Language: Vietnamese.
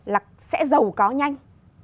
là sẽ giàu có nhanh